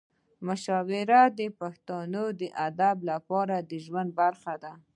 مشاعرې د پښتنو د ادبي ژوند برخه ده.